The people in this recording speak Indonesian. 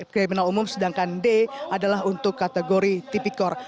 empat kriminal umum sedangkan d adalah untuk kategori tipikor